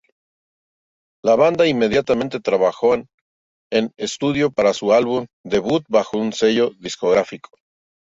La banda inmediatamente trabajó en estudio para su álbum debut bajo un sello discográfico.